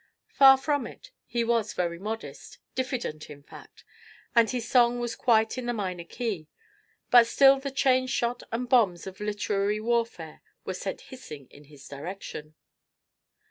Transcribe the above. Far from it: he was very modest diffident, in fact and his song was quite in the minor key, but still the chain shot and bombs of literary warfare were sent hissing in his direction.